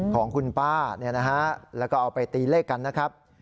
ของคุณป้าแล้วก็เอาไปตีเลขกันนะครับ